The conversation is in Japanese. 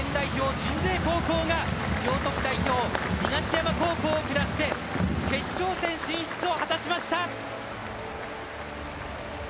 鎮西高校が京都府代表、東山高校を下して決勝戦進出を果たしました。